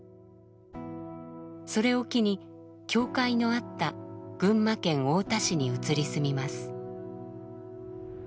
それを機に教会のあった群馬県太田市に移り住みます。